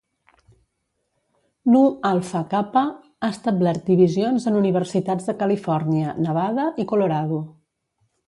Nu Alpha Kappa ha establert divisions en universitats de Califòrnia, Nevada i Colorado.